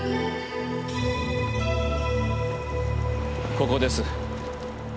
ここです。